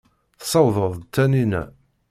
Tessewɛed-d Taninna.